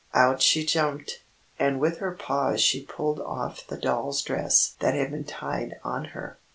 Out she jumped, and with her paws she pulled off the doll's dress that had been tied on her.